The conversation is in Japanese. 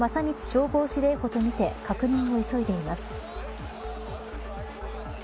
消防司令補と見て確認を急いでいます。